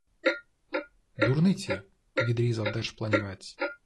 – Дурниці! – відрізав держпланівець